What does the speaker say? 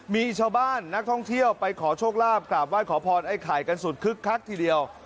มีชาวบ้านนักท่องเที่ยวไปขอโชคลาภกราบไห้ขอพรไอ้ไข่กันสุดคึกคักทีเดียว